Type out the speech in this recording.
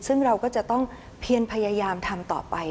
ซึ่งเราก็จะต้องเพียนพยายามทำต่อไป